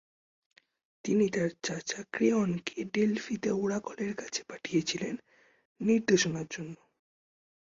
তিনি তার চাচা ক্রেওনকে ডেলফিতে ওরাকলের কাছে পাঠিয়েছিলেন নির্দেশনার জন্য।